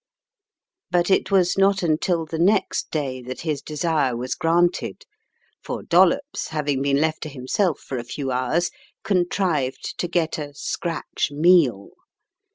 But it was not until the next day that his desire was granted, for Dollops, having been left to himself for a few hours, contrived to get a " scratch meal."